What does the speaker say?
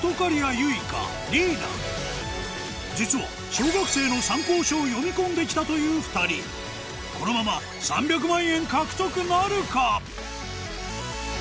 ユイカリイナ実は小学生の参考書を読み込んで来たという２人このまま３００万円獲得なるか？